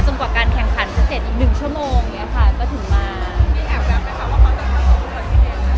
จนกว่าการแข่งขันจะเสร็จอีกหนึ่งชั่วโมงอย่างเงี้ยค่ะก็ถึงมามีแอบแบบไหมค่ะว่าเขาจะต้องรายงาน